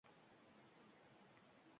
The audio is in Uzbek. Men, men yetimcha edim.